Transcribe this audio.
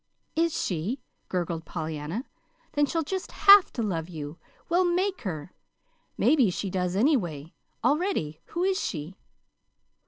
"Is she?" gurgled Pollyanna. "Then she'll just have to love you. We'll make her! Maybe she does, anyway, already. Who is she?"